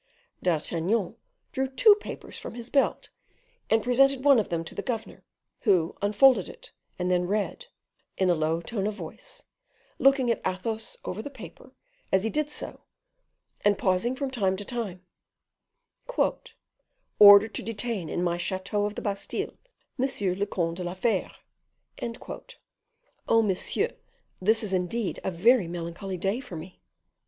D'Artagnan drew two papers from his belt, and presented one of them to the governor, who unfolded it, and then read, in a low tone of voice, looking at Athos over the paper, as he did so, and pausing from time to time: "'Order to detain, in my chateau of the Bastile, Monsieur le Comte de la Fere.' Oh, monsieur! this is indeed a very melancholy day for me."